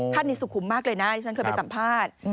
ท่านนี้สุขุมมากเลยนะที่ฉันเคยไปสัมภาษณ์